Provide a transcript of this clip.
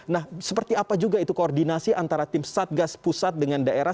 nah seperti apa juga itu koordinasi antara tim satgas pusat dengan daerah